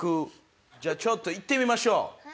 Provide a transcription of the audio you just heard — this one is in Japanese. じゃあちょっといってみましょう。